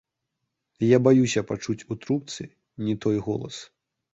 Я баюся пачуць у трубцы не той голас.